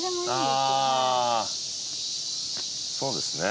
ああそうですね。